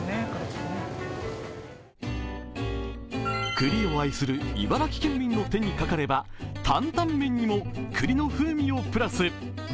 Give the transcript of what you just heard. くりを愛する茨城県民の手にがかれば、坦々麺にもくりの風味をプラス。